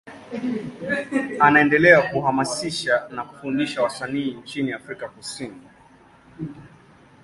Anaendelea kuhamasisha na kufundisha wasanii nchini Afrika Kusini.